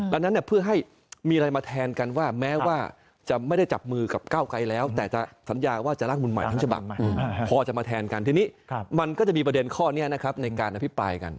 ดังนั้นเนี่ยเพื่อให้มีอะไรมาแทนกันว่าแม้ว่าจะไม่ได้จับมือกับก้าวไกลแล้วแต่จะสัญญาว่าจะร่างบุญใหม่ทั้งฉบับพอจะมาแทนกันทีนี้มันก็จะมีประเด็นข้อนี้นะครับในการอภิปรายกัน